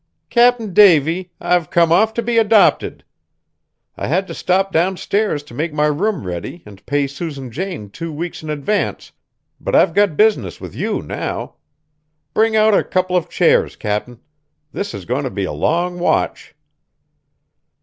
"Cap'n Davy, I've come off to be adopted! I had to stop downstairs to make my room ready and pay Susan Jane two weeks in advance, but I've got business with you now. Bring out a couple of chairs, Cap'n, this is going to be a long watch."